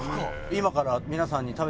今から。